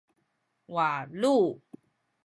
walu